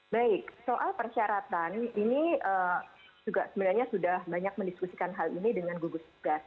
baik soal persyaratan ini juga sebenarnya sudah banyak mendiskusikan hal ini dengan gugus tugas